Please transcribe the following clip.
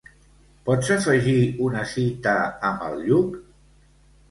Pots afegir una cita amb el Lluc?